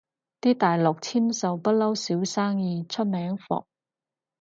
啲大陸簽售不嬲少生意，出名伏